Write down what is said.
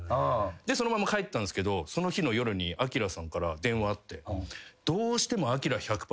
そのまま帰ったんすけどその日の夜にアキラさんから電話あって。